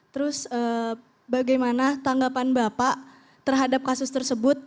terus bagaimana tanggapan bapak terhadap kasus tersebut